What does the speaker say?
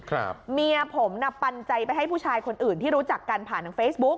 เมียผมน่ะปันใจไปให้ผู้ชายคนอื่นที่รู้จักกันผ่านทางเฟซบุ๊ก